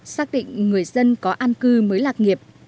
xác định người dân có an cư mới lạc nghiệp